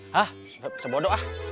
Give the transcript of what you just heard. hah sebodoh ah